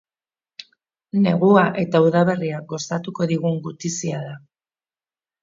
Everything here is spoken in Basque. Negua eta udaberria gozatuko digun gutizia da.